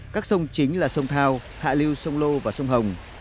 các sông chính là sông thao hạ lưu sông lô và sông hồng